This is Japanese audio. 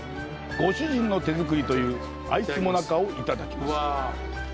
ご主人の手作りというアイスもなかをいただきます。